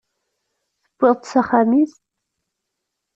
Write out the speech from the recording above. Tewwiḍ-tt s axxam-is?